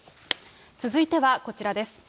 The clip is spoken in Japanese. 続いてはこちらです。